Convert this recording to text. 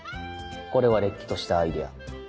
これはれっきとしたアイデア。